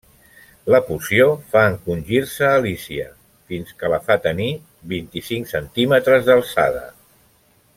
La poció fa encongir-se Alícia fins que la fa tenir vint-i-cinc centímetres d'alçada.